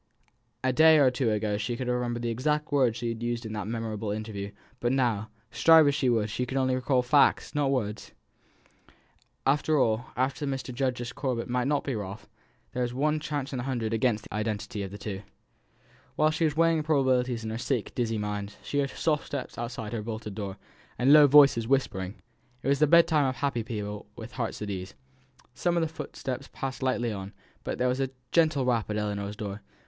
A day or two ago she could have remembered the exact words she had used in that memorable interview; but now, strive as she would, she could only recall facts, not words. After all, the Mr. Justice Corbet might not be Ralph. There was one chance in a hundred against the identity of the two. While she was weighing probabilities in her sick dizzy mind, she heard soft steps outside her bolted door, and low voices whispering. It was the bedtime of happy people with hearts at ease. Some of the footsteps passed lightly on; but there was a gentle rap at Ellinor's door.